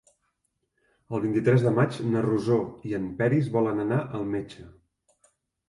El vint-i-tres de maig na Rosó i en Peris volen anar al metge.